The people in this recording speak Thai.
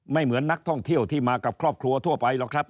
เหมือนนักท่องเที่ยวที่มากับครอบครัวทั่วไปหรอกครับ